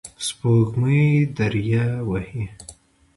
سپوږمۍ دریه وهي